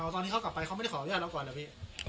ตอนที่เขากลับไปเขาไม่ได้ขออนุญาตเราก่อนนะพี่